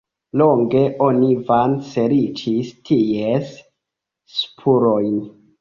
Longe oni vane serĉis ties spurojn.